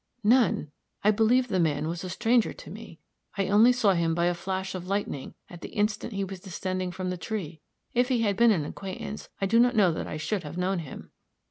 "None. I believe the man was a stranger to me. I only saw him by a flash of lightning at the instant he was descending from the tree; if he had been an acquaintance I do not know that I should have known him."